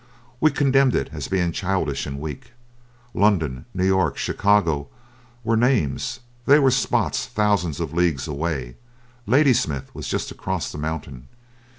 We condemned it as being childish and weak. London, New York, Chicago were names, they were spots thousands of leagues away: Ladysmith was just across that mountain.